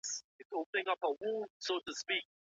د ژوند بریالیتوب یوازي لایقو ته نه سي ورکول کېدلای.